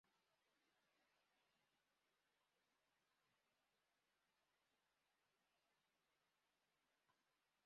J. Linnean Soc.